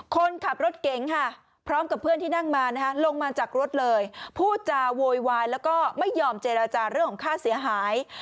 คนขับรถเก๋งค่ะพร้อมกับเพื่อนที่นั่งมานะคะลงมาจากรถเลยพูดจาโวยวายแล้วก็ไม่ยอมเจรจาเรื่องของค่าเสียหาย